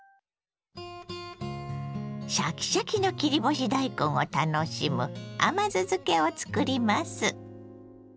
シャキシャキの切り干し大根を楽しむ甘酢漬けを作ります。